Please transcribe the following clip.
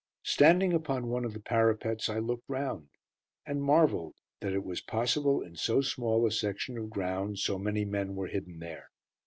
Standing upon one of the parapets, I looked round, and marvelled that it was possible in so small a section of ground so many men were hidden there.